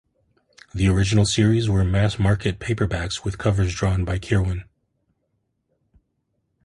The original series were mass-market paperbacks with covers drawn by Kirwan.